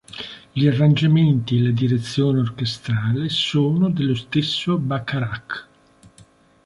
Gli arrangiamenti e la direzione orchestrale sono dello stesso Bacharach.